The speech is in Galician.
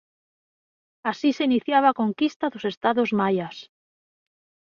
Así se iniciaba a conquista dos estados maias.